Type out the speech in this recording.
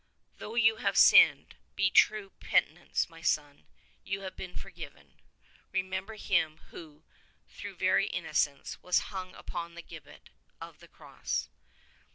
Though you have sinned, by true penitence, my son, you have been forgiven : remember Him who, though very Innocence, was hung upon the gibbet of the Cross."